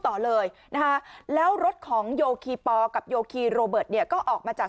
ต่อเลยนะคะแล้วรถของโยคีปอลกับโยคีโรเบิร์ตเนี่ยก็ออกมาจาก